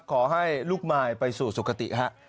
ขอให้ลูกมายไปสู่สุขติฮะ